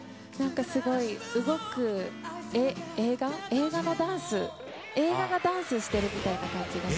すごい動く映画、映画のダンス、映画がダンスしてるみたいな感じがして。